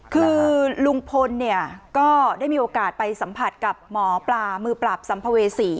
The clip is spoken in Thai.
คือลุงพลเนี่ยก็ได้มีโอกาสไปสัมผัสกับหมอปลามือปราบสัมภเวษี